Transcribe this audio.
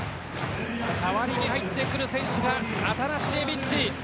代わりに入ってくる選手がアタナシエビッチ。